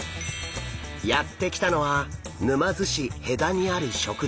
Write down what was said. やって来たのは沼津市戸田にある食堂。